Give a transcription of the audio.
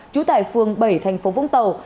trú tại phường bảy tp vũng tàu